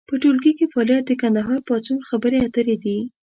په ټولګي کې فعالیت د کندهار پاڅون خبرې اترې دي.